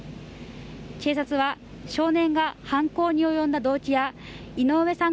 警察は少年が犯行に及んだ動機や井上さん